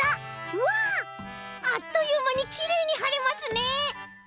うわあっというまにきれいにはれますね。